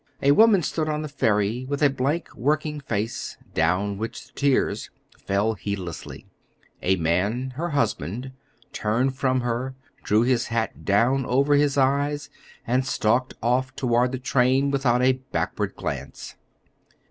A woman stood on the ferry with a blank, working face down which the tears fell heedlessly; a man, her husband, turned from her, drew his hat down over his eyes, and stalked off toward the train without a backward glance.